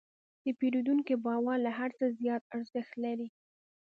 د پیرودونکي باور له هر څه زیات ارزښت لري.